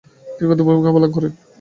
তিনি গুরুত্বপূর্ণ ভূমিকা পালন করেন।